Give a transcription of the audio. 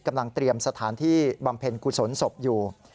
กำลังเตรียมสถานที่บำเพ็ญกุศลศพอยู่